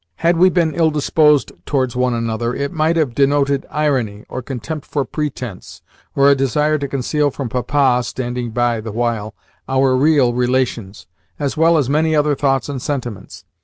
Had we been ill disposed towards one another, it might have denoted irony, or contempt for pretence, or a desire to conceal from Papa (standing by the while) our real relations, as well as many other thoughts and sentiments.